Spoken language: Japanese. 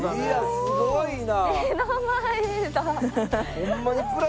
すごいな。